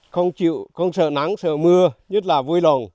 không sợ nắng sợ mưa nhất là vui lòng